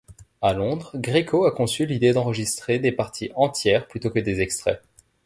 À Londres, Greco a conçu l'idée d'enregistrer des parties entières, plutôt que des extraits.